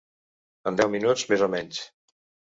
En deu minuts més o menys.